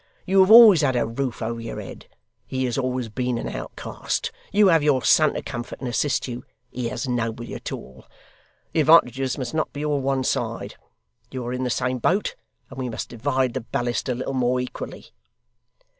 You have always had a roof over your head; he has always been an outcast. You have your son to comfort and assist you; he has nobody at all. The advantages must not be all one side. You are in the same boat, and we must divide the ballast a little more equally.